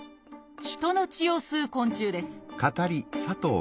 人の血を吸う昆虫です